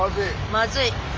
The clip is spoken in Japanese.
まずい。